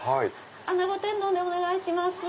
穴子天丼でお願いします。